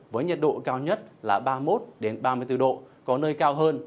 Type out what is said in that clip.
với nhiệt độ cao nhất là ba mươi một ba mươi bốn độ có nơi cao hơn